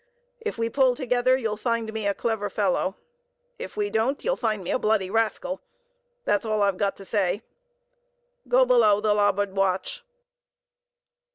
If we pull together, you'll find me a clever fellow; if we don't, you'll find me a bloody rascal. That's all I've got to say. Go below, the larboard watch!"